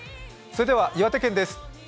岩手県です。